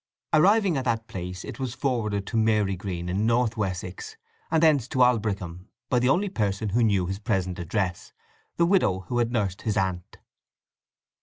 Arriving at that place it was forwarded to Marygreen in North Wessex, and thence to Aldbrickham by the only person who knew his present address—the widow who had nursed his aunt.